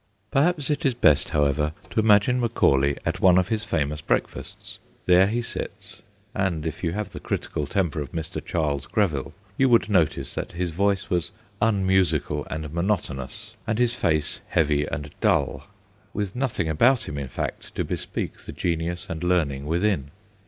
Perhaps it is best, however, to imagine Macaulay at one of his famous breakfasts. There he sits, and if you have the critical temper of Mr. Charles Greville, you would notice that his voice was unmusical and monotonous, and his face heavy and dull with nothing about him, in fact, to bespeak the genius and learning within.